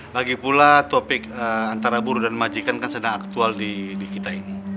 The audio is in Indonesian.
lagi pula topik antara buruh dan majikan kan sedang aktual di kita ini